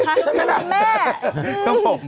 ฉันมันมีแม่ครับผม